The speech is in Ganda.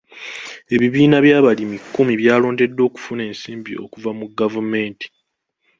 Ebibiina by'abalimi kkumi byalondeddwa okufuna ensimbi okuva mu gavumenti.